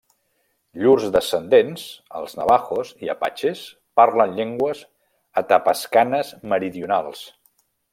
Llurs descendents, els navahos i apatxes, parlen llengües atapascanes meridionals.